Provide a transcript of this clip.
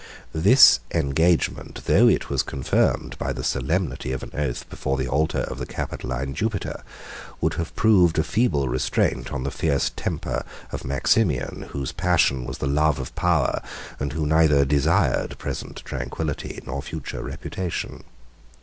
This engagement, though it was confirmed by the solemnity of an oath before the altar of the Capitoline Jupiter, 110 would have proved a feeble restraint on the fierce temper of Maximian, whose passion was the love of power, and who neither desired present tranquility nor future reputation.